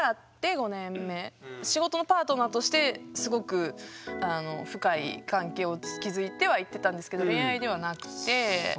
仕事のパートナーとしてすごく深い関係を築いてはいってたんですけど恋愛ではなくて。